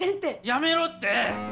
やめろって！